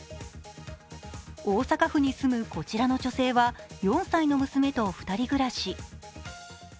大阪府に住むこちらの女性は４歳の娘と２人暮らし。